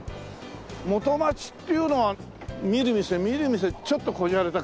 元町っていうのは見る店見る店ちょっとこじゃれた感じでしょ？